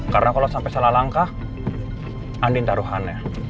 karena kalau sampai salah langkah anding taruhannya